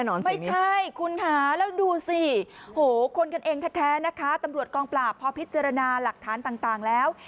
โอ้โหคนกันเองแท้นะคะตำรวจกองปราบพอพิจารณาหลักฐานต่างแล้ว